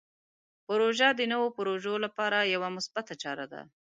پروژه د نوو پروژو لپاره یوه مثبته چاره ده.